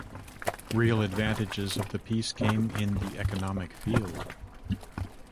Real advantages of the peace came in the economic field.